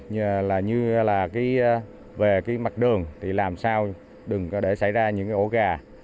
như là về mặt đường thì làm sao đừng có để xảy ra những ổ gà